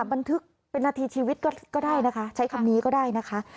บันทึกเป็นนาทีชีวิตก็ได้นะคะใช้คำนี้ก็ได้นะคะ